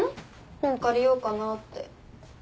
本借りようかなって。